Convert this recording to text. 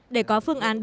để có phương án đánh bạc